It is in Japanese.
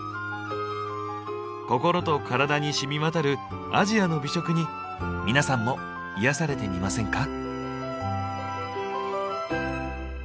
心とカラダにしみわたるアジアの美食に皆さんも癒やされてみませんか？